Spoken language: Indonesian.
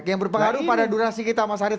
yang berpengaruh pada durasi kita mas arief